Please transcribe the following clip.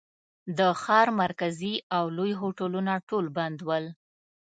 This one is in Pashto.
د ښار مرکزي او لوی هوټلونه ټول بند ول.